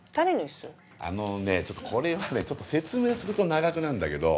あのねちょっとこれはね説明すると長くなるんだけど。